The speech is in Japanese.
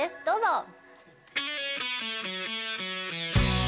どうぞ！